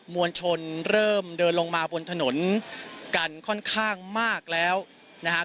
มวลชนเริ่มเดินลงมาบนถนนกันค่อนข้างมากแล้วนะครับ